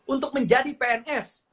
untuk menjadi pns